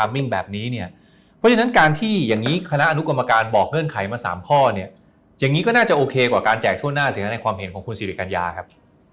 เพราะฉะนั้นการที่อย่างนี้คณะอนุกรรมการบอกเงื่อนไขมา๓ข้อเนี่ยอย่างนี้ก็น่าจะโอเคกว่าการแจกทั่วหน้าสิฮะในความเห็นของคุณสิริกัญญาครับ